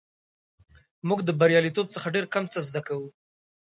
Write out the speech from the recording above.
موږ د بریالیتوب څخه ډېر کم څه زده کوو.